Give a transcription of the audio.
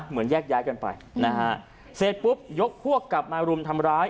แยกย้ายกันไปนะฮะเสร็จปุ๊บยกพวกกลับมารุมทำร้าย